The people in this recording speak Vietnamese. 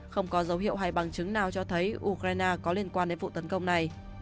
không có dấu hiệu hay bằng chứng nào cho thấy ukraine có liên quan đến vụ tấn công này